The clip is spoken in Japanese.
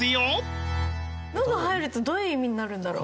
「の」が入るとどういう意味になるんだろう？